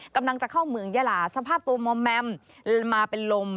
กำลังจะเข้าเมืองยาลาสภาพตัวมอมแมมมาเป็นลม